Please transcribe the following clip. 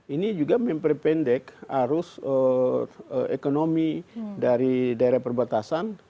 ini juga memperpendek arus ekonomi dari daerah perbatasan